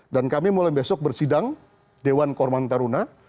dan kami mulai besok bersidang dewan korban taruna